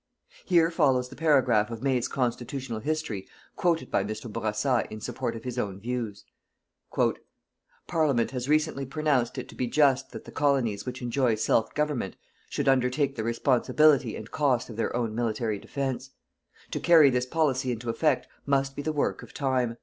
Here follows the paragraph of May's Constitutional History quoted by Mr. Bourassa in support of his own views: Parliament has recently pronounced it to be just that the Colonies which enjoy self government, should undertake the responsibility and cost of their own military defence. To carry this policy into effect must be the work of time.